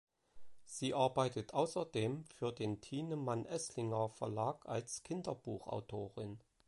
Sie arbeitet außerdem für den Thienemann-Esslinger Verlag als Kinderbuch-Autorin.